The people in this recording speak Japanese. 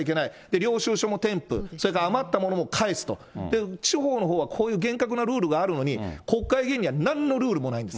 領収書も添付、それから余ったものも返すと、地方のほうはこういう厳格なルールがあるのに、国会議員には国会議員には何のルールもないんです。